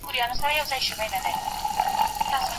هغې هندۍ ښځي د دلارام نوم په تاریخ کي ثبت کړی دی.